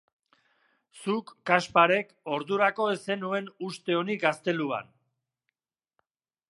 Zuk, Kasparek, ordurako ez zenuen uste onik gazteluan.